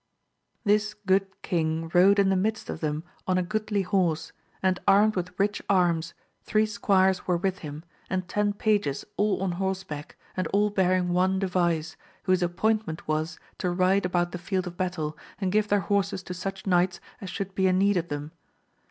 This good king rode in the midst of them on a goodly horse, and armed with rich arms, three squires were with him, and ten pages all on horseback and all bearing one device, whose appointment was to ride about the field of battle, and give their horses to such knights as should be in need of them.